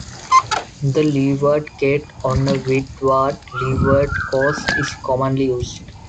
The leeward gate on a windward-leeward course is commonly used.